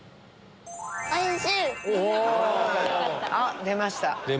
あっ出ました。